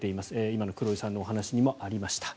今の黒井さんのお話にもありました。